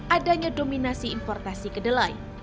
adanya dominasi importasi kedelai